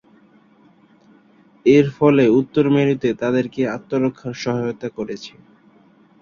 এরফলে উত্তর মেরুতে তাদেরকে আত্মরক্ষায় সহায়তা করছে।